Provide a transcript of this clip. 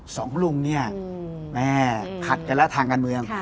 สองลุงเนี่ยแม่ขัดกันแล้วทางการเมือง